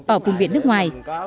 ở vùng biển nước ngoài